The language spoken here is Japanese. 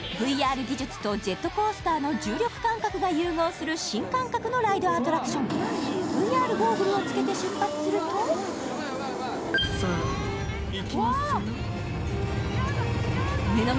ＶＲ技術とジェットコースターの重力感覚が融合する新感覚のライドアトラクションＶＲゴーグルを着けて出発するとさあ行きますよ